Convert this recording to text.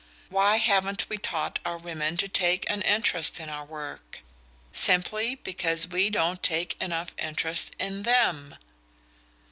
Why haven't we taught our women to take an interest in our work? Simply because we don't take enough interest in THEM."